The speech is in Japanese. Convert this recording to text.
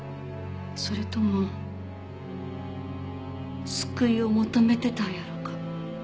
それとも救いを求めてたんやろか？